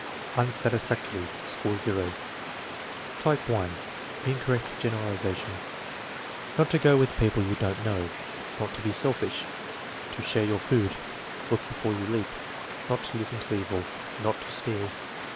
Unsatisfactory; score 0. Type (1), incorrect generalization: "Not to go with people you don't know." "Not to be selfish." "To share your food." " Look before you leap*" "Not to listen to evil." "Not to steal."